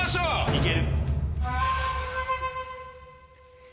いける！